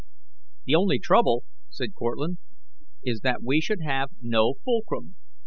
"The only trouble," said Cortlandt, "is that we should have no fulcrum.